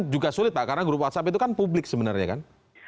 juga sulit pak karena grup whatsapp itu kan publik sebenarnya kan